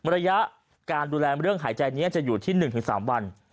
ระยะการดูแลเรื่องหายใจนี้จะอยู่ที่๑๓วัน